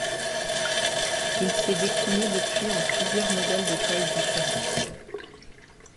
Il s'est décliné depuis en plusieurs modèles de tailles différentes.